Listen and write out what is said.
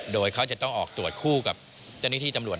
โดยเขาจะต้องออกตรวจคู่กับเจ้าหน้าที่ตำรวจ